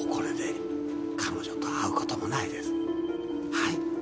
はい。